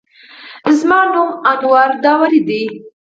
زما نوم انور داوړ دی